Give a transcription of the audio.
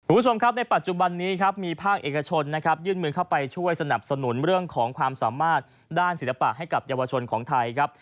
คุณผู้ชมครับในปัจจุบันนี้ครับมีภาคเอกชนนะครับยื่นมือเข้าไปช่วยสนับสนุนเรื่องของความสามารถด้านศิลปะให้กับเยาวชนของไทยครับ